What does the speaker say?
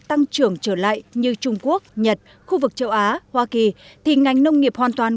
tăng trưởng trở lại như trung quốc nhật khu vực châu á hoa kỳ thì ngành nông nghiệp hoàn toàn